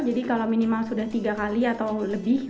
jadi kalau minimal sudah tiga kali atau lebih